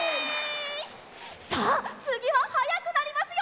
さあつぎははやくなりますよ！